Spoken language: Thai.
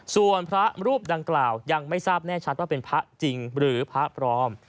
ส่วนพระรูปดังกล่าวยังไม่ทราบแน่ชัดว่าเป็นพระจริงหรือพระปลอม